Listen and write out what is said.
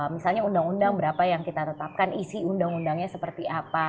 misalnya undang undang berapa yang kita tetapkan isi undang undangnya seperti apa